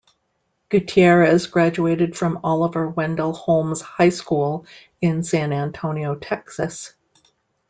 Gutierrez graduated from Oliver Wendell Holmes High School in San Antonio, Texas.